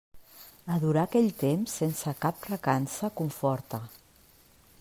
Adorar aquell temps sense cap recança conforta.